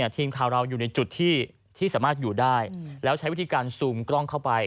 ทีมข่าวเราอยู่ในจุดที่สามารถอยู่ได้แล้วใช้วิธีการซูมกล้องเข้าไป